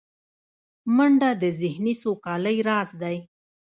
منډه د ذهني سوکالۍ راز دی